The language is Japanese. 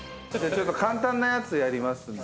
簡単なやつやりますんで。